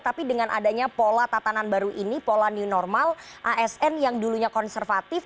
tapi dengan adanya pola tatanan baru ini pola new normal asn yang dulunya konservatif